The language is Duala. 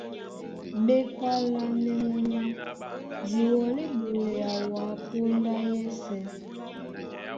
Ɓé kwálánɛ́ mɔ́ ná:Di wɔlí ɓolea wǎ póndá yɛ́sɛ̄.